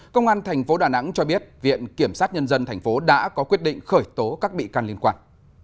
công an tp đà nẵng cho biết viện kiểm sát nhân dân tp đã có quyết định khởi tố các bị can liên quan